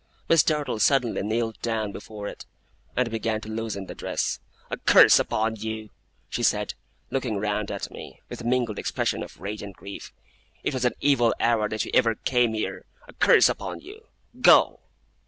Miss Dartle suddenly kneeled down before it, and began to loosen the dress. 'A curse upon you!' she said, looking round at me, with a mingled expression of rage and grief. 'It was in an evil hour that you ever came here! A curse upon you! Go!